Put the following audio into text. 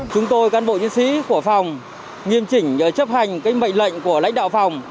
chúng tôi cán bộ nhân sĩ của phòng nghiêm chỉnh chấp hành cái mệnh lệnh của lãnh đạo phòng